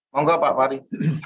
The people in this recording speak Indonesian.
mohon ke pak fahri